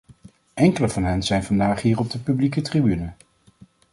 Enkelen van hen zijn vandaag hier op de publieke tribune.